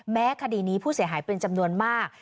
คดีนี้ผู้เสียหายเป็นจำนวนมาก